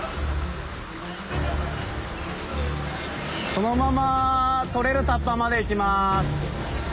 そのまま取れるタッパまで行きます。